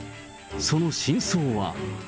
その真相は。